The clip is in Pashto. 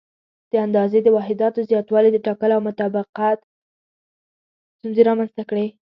د اندازې د واحداتو زیاتوالي د ټاکلو او مطابقت ستونزې رامنځته کړې.